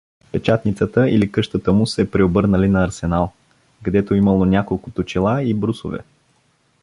Печатницата или къщата му се преобърнали на арсенал, гдето имало няколко точила и брусове.